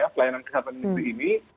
pelayanan kesehatan ini